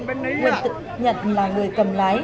nguyễn tự nhận là người cầm lái